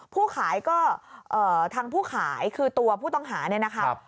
ผู้ขายก็ทางผู้ขายคือตัวผู้ต้องหาเนี่ยนะครับ